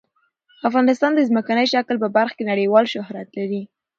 افغانستان د ځمکنی شکل په برخه کې نړیوال شهرت لري.